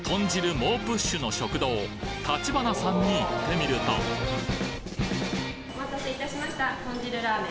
猛プッシュの食堂たちばなさんに行ってみるとお待たせ致しました。